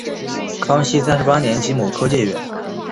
康熙三十八年己卯科解元。